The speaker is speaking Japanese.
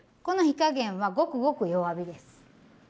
この火加減はごくごく弱火です。